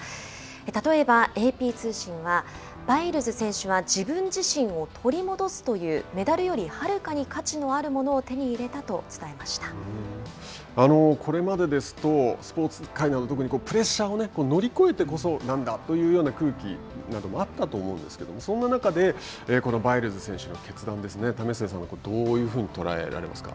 例えばＡＰ通信はバイルズ選手は自分自身を取り戻すというメダルよりはるかに価値のあるものをこれまでですとスポーツ界など特にプレッシャーを乗り越えてこそなんだというような空気などもあったと思うんですけどもそんな中で、バイルズ選手の決断為末さんはどういうふうに捉えられますか。